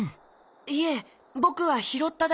いえぼくはひろっただけです。